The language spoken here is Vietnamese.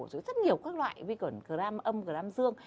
rồi rất nhiều các loại vi khuẩn gram âm gram dương